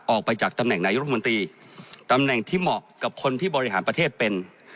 ออกจากตำแหน่งนายรัฐมนตรีตำแหน่งที่เหมาะกับคนที่บริหารประเทศเป็น